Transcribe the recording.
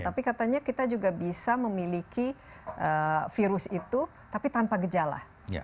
tapi katanya kita juga bisa memiliki virus itu tapi tanpa gejala